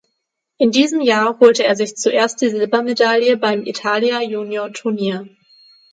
In diesem Jahr holte er sich zuerst die Silbermedaille beim Italia Junior Turnier.